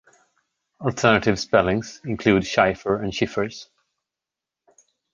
Alternative spellings include Schifer and Schiffers.